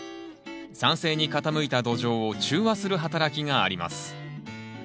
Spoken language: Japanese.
酸性に傾いた土壌を中和する働きがあります。